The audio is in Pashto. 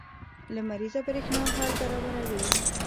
لمریزه برېښنا حل برابروي.